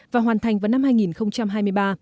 và hoàn thành vào năm hai nghìn hai mươi ba